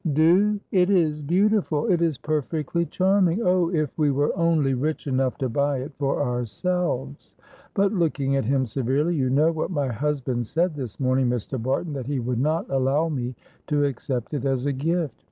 "Do! it is beautiful it is perfectly charming. Oh, if we were only rich enough to buy it for ourselves, but," looking at him severely, "you know what my husband said this morning, Mr. Barton, that he would not allow me to accept it as a gift.